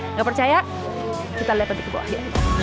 nggak percaya kita lihat di bawah ya